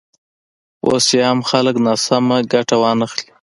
اوس یې هم خلک ناسمه ګټه وانخلي.